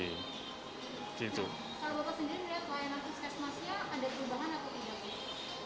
kalau bapak sendiri melihat pelayanan puskesmasnya ada perubahan atau tidak pak